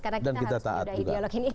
karena kita harus sudah ideologi